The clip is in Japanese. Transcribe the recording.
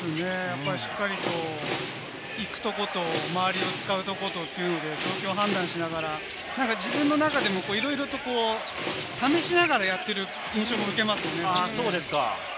しっかりと行くとこと、周りを使うところというのは、状況を判断しながら自分の中でもいろいろと試しながらやっている印象も受けますよね。